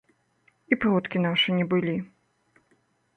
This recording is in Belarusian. І продкі нашы не былі.